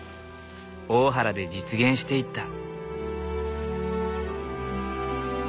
大原で実現していった。